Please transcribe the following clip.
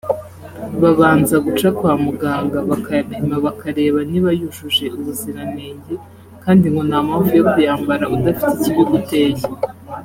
babanza guca kwa muganga bakayapima bakareba niba yujuje ubuziranenge kandi ngo nta mpamvu yo kuyambara udafite ikibiguteye